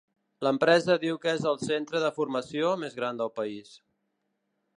L'empresa diu que és el centre de formació més gran del país.